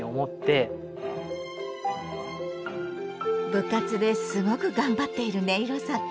部活ですごく頑張っているねいろさん。